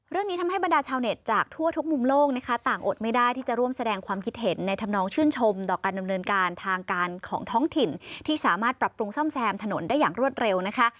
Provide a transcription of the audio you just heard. เรื่องนี้ทำให้บรรดาชาวเน็ตจากทั่วทุกมุมโลกนะคะต่างอดไม่ได้ที่จะร่วมแสดงความคิดเห็นในธรรมนองชื่นชมต่อการดำเนินการทางการของท้องถิ่นที่สามารถปรับปรุงซ่อมแซมถนนได้อย่างรวดเร็วนะคะ